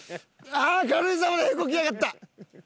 ああー軽井沢で屁こきやがった！